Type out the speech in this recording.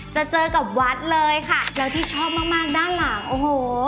จะเจอกับวัดเลยค่ะแล้วที่ชอบมากมากด้านหลังโอ้โห